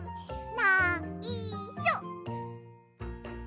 ないしょ。